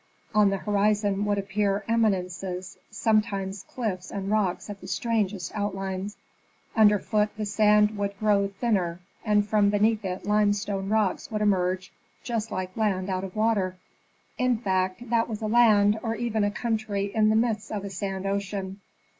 On the horizon would appear eminences, sometimes cliffs and rocks of the strangest outlines. Under foot the sand would grow thinner, and from beneath it limestone rocks would emerge just like land out of water. In fact that was a land, or even a country in the midst of a sand ocean.